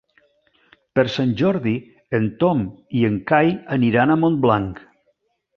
Per Sant Jordi en Tom i en Cai aniran a Montblanc.